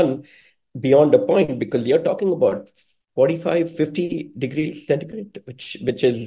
lebih dari titik karena anda berbicara tentang empat puluh lima lima puluh derajat celcius